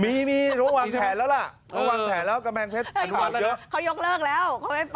เขายกเลิกแล้ว